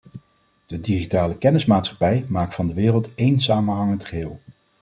De digitale kennismaatschappij maakt van de wereld één samenhangend geheel.